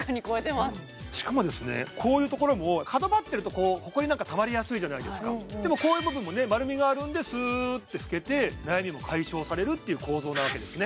こういうところも角張ってるとほこりなんかたまりやすいじゃないですかでもこういう部分も丸みがあるんですってふけて悩みも解消されるって構造なわけですね